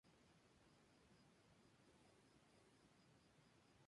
Su padre y su hermano eran los actores George y Barry Lupino.